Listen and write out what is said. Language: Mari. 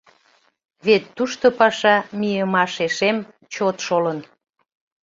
Вет тушто паша мийымашешем чот шолын.